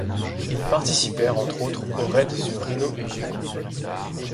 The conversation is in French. Ils participèrent entre autres aux raids sur Rhino et Gecko.